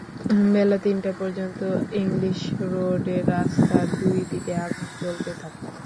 বেলা তিনটা পর্যন্ত ইংলিশ রোডের রাস্তার দুই দিকে আগুন জ্বলতে থাকে।